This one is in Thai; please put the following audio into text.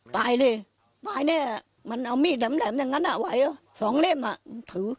ตายเลยตายแน่มันเอามีดแหลมอย่างนั้นอ่ะไหวเหรอสองเล่มอ่ะถือ